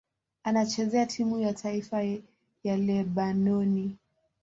Anachezea timu ya taifa ya Lebanoni.